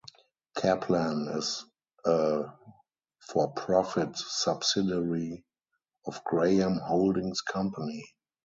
Kaplan is a for-profit subsidiary of Graham Holdings Company.